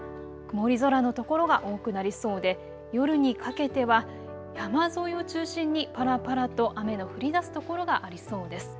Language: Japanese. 夕方は曇り空の所が多くなりそうで夜にかけては山沿いを中心にぱらぱらと雨の降りだす所がありそうです。